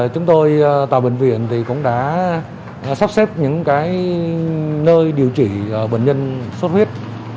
chúng tôi tàu bệnh viện cũng đã sắp xếp những nơi điều trị bệnh nhân xuất huyết